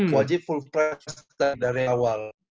wajib full press kita dari awal